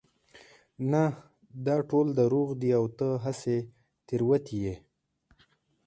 نه دا ټول دروغ دي او ته هسې تېروتي يې